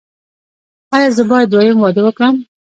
ایا زه باید دویم واده وکړم؟